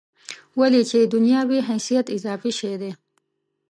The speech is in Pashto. ولې چې دنیا وي حیثیت اضافي شی دی.